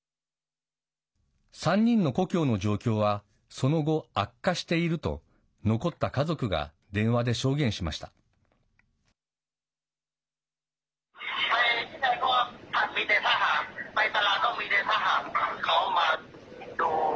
３人の故郷の状況はその後、悪化していると残った家族が電話で証言しました。